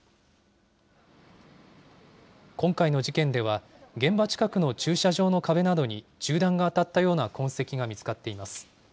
今回の事件では、現場近くの駐車場の壁などに、銃弾が当たったような痕跡が見つかっています。